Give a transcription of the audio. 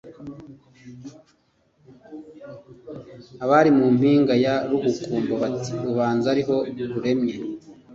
abari mu mpinga ya Rukukumbo bati: Ubanza ariho ruremye